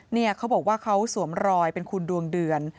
เขาบอกว่าเขาสวมรอยเป็นคุณดวงเดือน